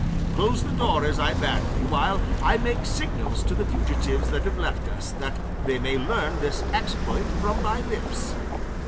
Close the door as I bade thee, while I make signals to the fugitives that have left us, that they may learn this exploit from thy lips."